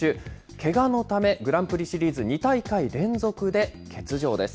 けがのため、グランプリシリーズ２大会連続で欠場です。